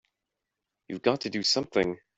You've got to do something!